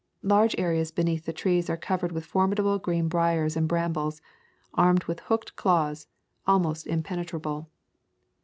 Large areas beneath the trees are covered with formidable green briers and brambles, armed with hooked claws, and almost impenetrable.